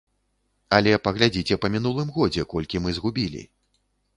Але паглядзіце па мінулым годзе, колькі мы згубілі.